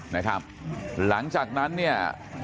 นะครับหลังจากนั้นเนี่ย